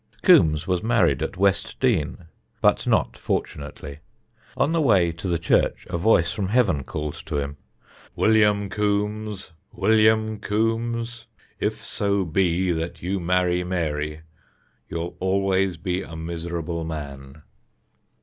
Coombs was married at West Dean, but not fortunately. On the way to the church a voice from heaven called to him, "Will yam Coombs! Will yam Coombs! if so be that you marry Mary you'll always be a miserable man."